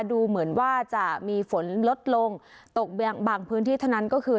ดูเหมือนว่าจะมีฝนลดลงตกบางพื้นที่เท่านั้นก็คือ